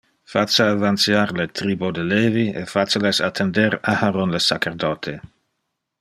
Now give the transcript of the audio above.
Face avantiar le tribo de Levi e face les attender Aharon le sacerdote